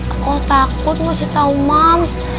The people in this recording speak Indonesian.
aku takut ngasih tau moms